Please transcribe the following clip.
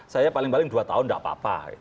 saya paling paling dua tahun tidak apa apa